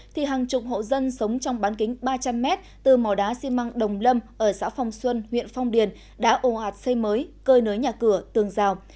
thì hàng chục hộ dân sống trong bán kính ba trăm linh m từ mò đá xi măng đồng lâm ở xã phong xuân huyện phong điền đã ồ ạt xây mới cơi nới nhà cửa tường rào